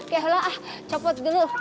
kehlah ah copot dulu